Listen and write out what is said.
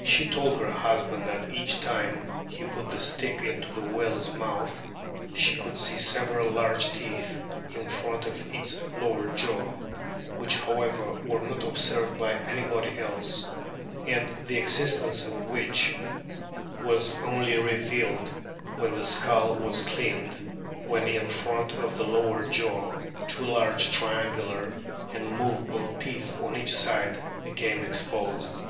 She told her husband that each time he put the stick into the whale's mouth she could see several large teeth in front of its lower jaw, which, however, were not observed by anybody else, and the existence of which was only revealed when the skull was cleaned, when in front of the lower jaw two large triangular and movable teeth on each side became o exposed.